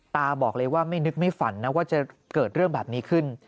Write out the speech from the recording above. ตาบอกเลยว่าไม่นึกไม่ฝันนะว่าจะเกิดเรื่องแบบนี้ขึ้น